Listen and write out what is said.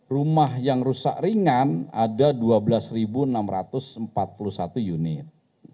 rumah yang rusak ringan ada dua belas enam ratus empat puluh satu unit